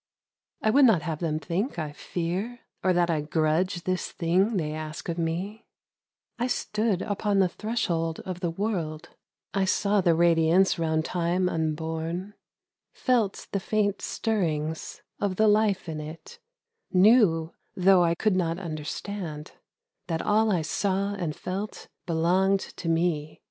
I would not have them think I fear, Or that I grudge this thing they ask of me ; I stood upon the threshold of the world, I saw the radiance round time un born, Felt the faint stirrings of the life in it, Knew, though I could not understand, That all I saw and felt belonged to me.